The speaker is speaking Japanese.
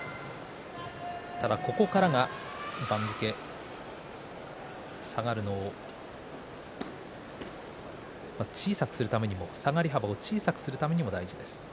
ただここから番付が下がるのを小さくするためにも下がり幅を小さくするためにも大事です。